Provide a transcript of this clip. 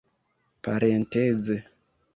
parenteze